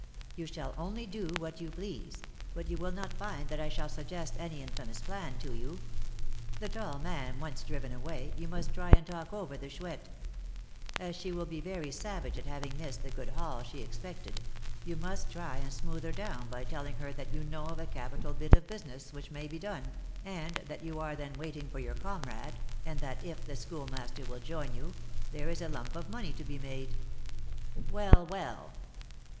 "You shall only do what you please; but you will not find that I shall suggest any infamous plan to you. The tall man once driven away, you must try and talk over the Chouette. As she will be very savage at having missed the good haul she expected, you must try and smooth her down by telling her that you know of a capital bit of business which may be done, and that you are then waiting for your comrade, and that, if the Schoolmaster will join you, there is a lump of money to be made." "Well, well."